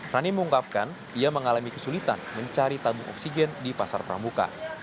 rani mengungkapkan ia mengalami kesulitan mencari tabung oksigen di pasar pramuka